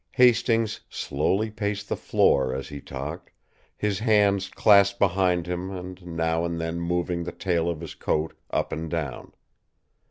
Hastings slowly paced the floor as he talked, his hands clasped behind him and now and then moving the tail of his coat up and down.